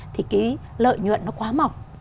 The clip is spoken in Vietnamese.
thì cái lợi nhuận nó quá mỏng